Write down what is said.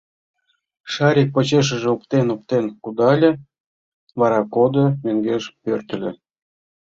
Шарик почешыже оптен-оптен кудале, вара кодо, мӧҥгеш пӧртыльӧ.